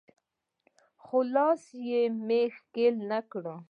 خو لاس مې يې ښکل نه کړ.